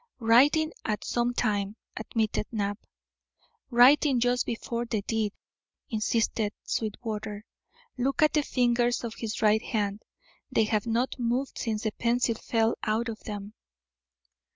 "Writing at some time," admitted Knapp. "Writing just before the deed," insisted Sweetwater. "Look at the fingers of his right hand. They have not moved since the pencil fell out of them."